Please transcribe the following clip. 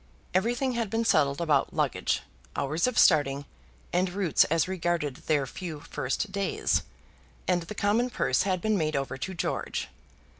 Everything had been settled about luggage, hours of starting, and routes as regarded their few first days; and the common purse had been made over to George.